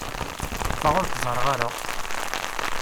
Ffeɣ ur k-ẓerreɣ ara!